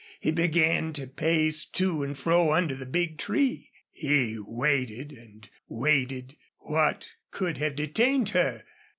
He began to pace to and fro under the big tree. He waited and waited. What could have detained her?